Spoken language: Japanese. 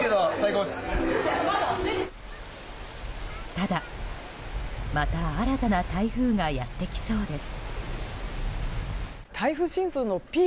ただ、また新たな台風がやってきそうです。